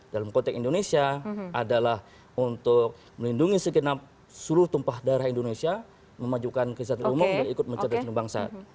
dalam konteks indonesia adalah untuk melindungi segenap seluruh tumpah darah indonesia memajukan kesehatan umum dan ikut mencerdaskan bangsa